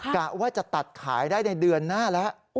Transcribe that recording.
กะว่าจะตัดขายได้ในเดือนหน้าแล้ว